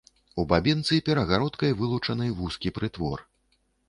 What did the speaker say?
У бабінцы перагародкай вылучаны вузкі прытвор.